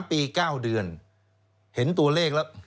ปี๙เดือนเห็นตัวเลขแล้ว